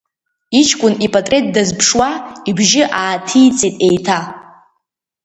Иҷкәын ипатреҭ дазԥшуа, ибжьы ааҭицеит еиҭа.